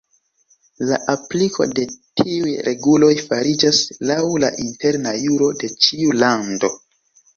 La apliko de tiuj reguloj fariĝas laŭ la interna juro de ĉiu lando.